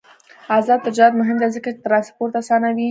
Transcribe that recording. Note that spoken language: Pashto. آزاد تجارت مهم دی ځکه چې ترانسپورت اسانوي.